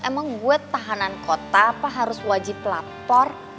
emang gue tahanan kota apa harus wajib lapor